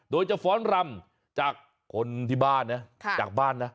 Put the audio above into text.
โดยจะฟ้อนรำจากคนที่บ้านนะจากบ้านนะ